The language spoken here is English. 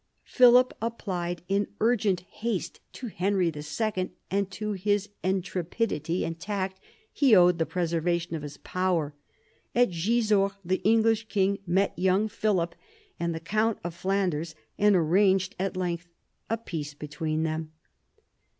Philip applied in urgent haste to Henry II., and to his intrepidity and tact he owed the preservation of his power. At Gisors the English king met young Philip and the count of Flanders, and arranged at length a peace between them.